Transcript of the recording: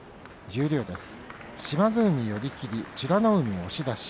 十両です。